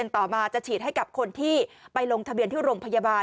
ต่อมาจะฉีดให้กับคนที่ไปลงทะเบียนที่โรงพยาบาล